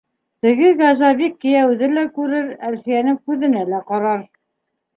Теге «газовик» кейәүҙе лә күрер, Әлфиәнең күҙенә лә ҡарар.